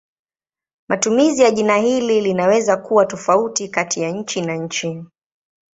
Matumizi ya jina hili linaweza kuwa tofauti kati ya nchi na nchi.